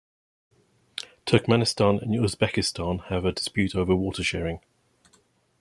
Turkmenistan and Uzbekistan have a dispute over water-sharing.